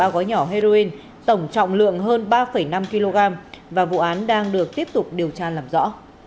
ba gói nhỏ heroin tổng trọng lượng hơn ba năm kg và vụ án đang được tiếp tục điều tra làm rõ